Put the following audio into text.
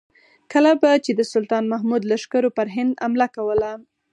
کله به چې د سلطان محمود لښکرو پر هند حمله کوله.